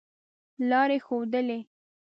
لاري ښودلې.